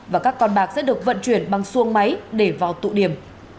và các con bạc sẽ được vận chuyển bằng xuông máy để vào tụ điểm